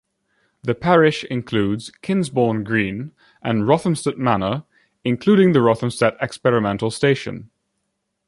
The parish includes Kinsbourne Green, and Rothamsted Manor, including the Rothamsted Experimental Station.